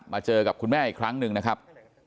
เจอกับคุณแม่อีกครั้งหนึ่งนะครับ